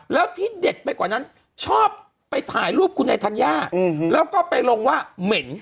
แล้วที่เด็ดไปกว่านั้นชอบไปถ่ายรูปคุณนายธัญญาแล้วก็ไปลงว่าเหม็น